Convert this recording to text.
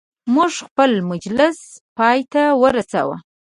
موږ خپل مجلس پایته ورساوه.